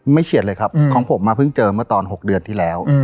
เฉียดเลยครับของผมมาเพิ่งเจอเมื่อตอน๖เดือนที่แล้ว